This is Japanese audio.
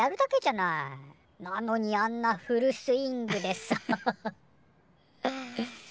なのにあんなフルスイングでさ。